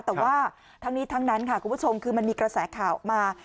แต่ว่าทั้งนี้ทั้งนั้นค่ะคุณผู้ชมคือมันมีกระแสข่าวออกมา